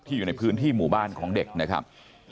อยู่ในพื้นที่หมู่บ้านของเด็กนะครับ